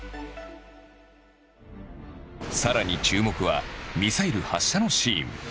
さらに注目はミサイル発射のシーン。